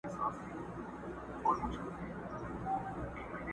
د جلال اباد هوا معتدله وي